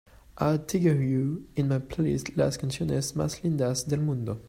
add tiger hu in my playlist Las Canciones Más Lindas Del Mundo